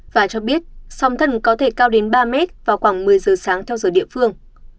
và cho biết sóng thần có thể cao đến ba mét vào khoảng một mươi giờ sáng theo giờ địa phương